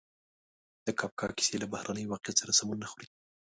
د کافکا کیسې له بهرني واقعیت سره سمون نه خوري.